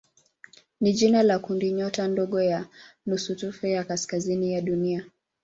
ni jina la kundinyota ndogo ya nusutufe ya kaskazini ya Dunia.